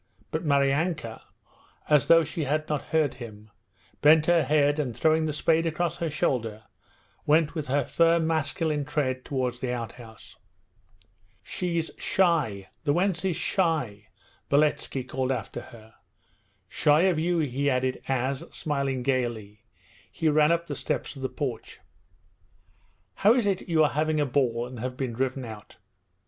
But Maryanka, as though she had not heard him, bent her head, and throwing the spade across her shoulder went with her firm masculine tread towards the outhouse. 'She's shy, the wench is shy,' Beletski called after her. 'Shy of you,' he added as, smiling gaily, he ran up the steps of the porch. 'How is it you are having a ball and have been driven out?'